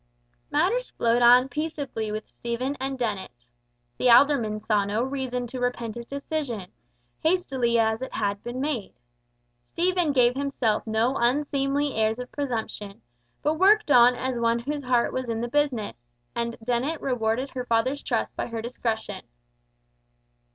Matters flowed on peaceably with Stephen and Dennet. The alderman saw no reason to repent his decision, hastily as it had been made. Stephen gave himself no unseemly airs of presumption, but worked on as one whose heart was in the business, and Dennet rewarded her father's trust by her discretion.